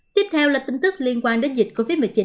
tiếp theo là tin tức liên quan đến dịch covid một mươi chín